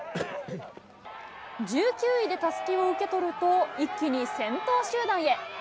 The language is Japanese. １９位でたすきを受け取ると、一気に先頭集団へ。